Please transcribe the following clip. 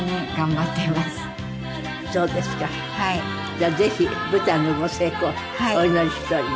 じゃあぜひ舞台のご成功をお祈りしております。